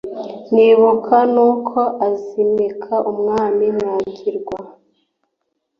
Nibuka n'uko azimika Umwami Mwagirwa